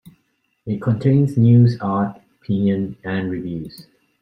It contains news, art, opinion and reviews.